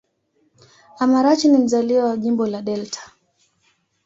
Amarachi ni mzaliwa wa Jimbo la Delta.